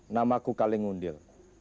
namaku kaling undil